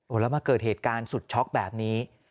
แล้วมาเกิดเหตุการณ์สุดช็อกแบบนี้